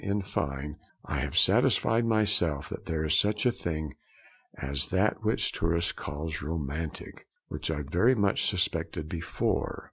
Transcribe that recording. In fine, I have satisfied myself that there is such a thing as that which tourists call romantic, which I very much suspected before.'